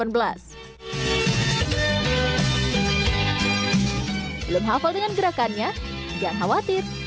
belum hafal dengan gerakannya jangan khawatir